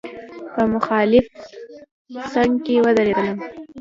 په مخالف سنګر کې ودرېدلم.